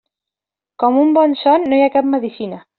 Com un bon son no hi ha cap medecina.